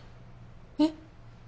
えっ？